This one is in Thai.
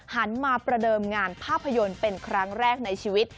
หันมาประเดิมงานภาพยนตร์เป็นครั้งแรกในชีวิต